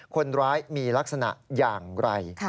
คนร้ายมีลักษณะอย่างไร